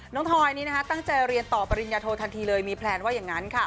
ทอยนี้ตั้งใจเรียนต่อปริญญาโททันทีเลยมีแพลนว่าอย่างนั้น